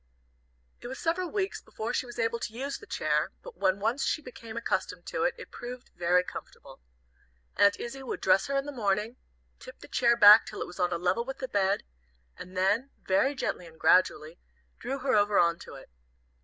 It was several weeks before she was able to use the chair, but when once she became accustomed to it, it proved very comfortable. Aunt Izzie would dress her in the morning, tip the chair back till it was on a level with the bed, and then, very gently and gradually, draw her over on to it.